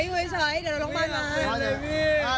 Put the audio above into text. อยู่ไหนเรากำลังลงได้มา